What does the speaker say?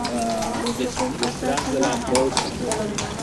بۇ چوقۇم ئاساسى يوق ئەپقاچتى گەپ.